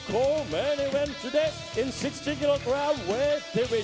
โปรดติดตามต่อไป